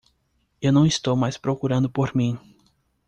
Eu não estou mais procurando por mim.